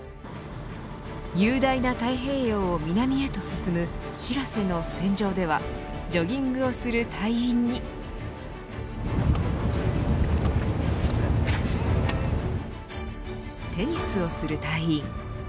雄大な太平洋を南へと進むしらせの船上ではジョギングをする隊員にテニスをする隊員。